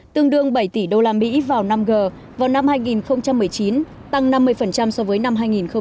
tương đương bảy tỷ usd vào năm g vào năm hai nghìn một mươi chín tăng năm mươi so với năm hai nghìn một mươi bảy